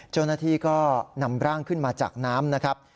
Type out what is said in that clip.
เจ้าหน้าที่ก็นำร่างขึ้นมาจากน้ำนะครับ